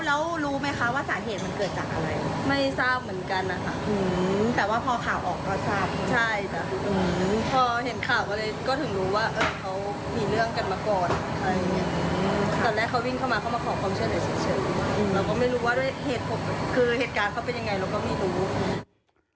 เราก็ไม่รู้ว่าด้วยเหตุการณ์เขาเป็นยังไงเราก็ไม่รู้